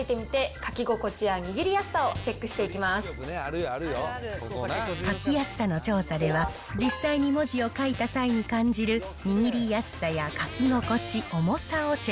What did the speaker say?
書きやすさの調査では、実際に文字を書いた際に感じる握りやすさや書き心地、重さをチェ